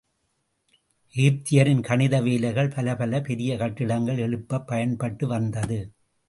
எகிப்தியரின் கணித வேலைகள் பலப்பல பெரிய கட்டிடங்களை எழுப்பப் பயன்பட்டு வந்தது.